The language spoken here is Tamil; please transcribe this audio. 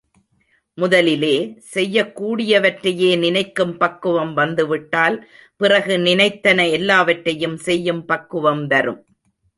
முதலிலே, செய்யக்கூடியவற்றையே நினைக்கும் பக்குவம் வந்துவிட்டால், பிறகு நினைத்தன எல்லாவற்றையும் செய்யும் பக்குவம் வரும்.